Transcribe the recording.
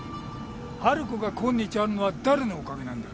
春子が今日あるのは誰のおかげなんだ？